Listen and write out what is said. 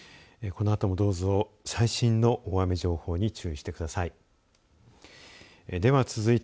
このあとも、どうぞ最新の大雨情報に注意してください。